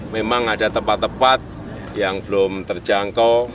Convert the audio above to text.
memang ada tempat tempat yang belum terjangkau